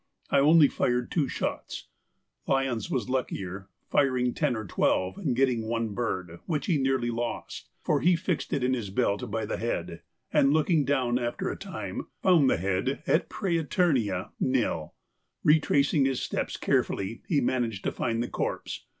I only fired two shots; Lyons was luckier, firing ten or twelve, and getting one bird, which he nearly lost, for he fixed it in his belt by its head, and looking down after a time found head et præterea nil. Retracing his steps carefully he managed to find the corpse.